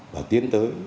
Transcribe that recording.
và tiến tới